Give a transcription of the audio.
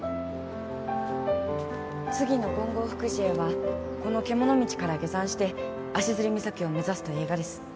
次の金剛福寺へはこの獣道から下山して足岬を目指すとえいがです。